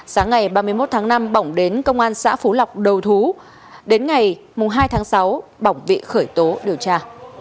sáng ngày ba mươi một tháng năm bỏng đến công an xã phú lọc đầu thú đến ngày hai tháng sáu bỏng bị khởi tố điều tra